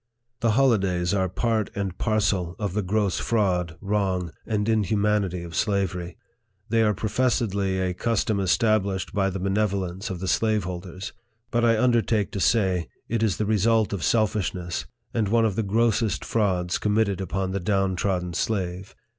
The holidays are part and parcel of the gross fraud, wrong, and inhumanity of slavery. They are pro fessedly a custom established by the benevolence of the slaveholders ; but I undertake to say, it is the result of selfishness, and one of the grossest frauds committed upon the down trodden slave.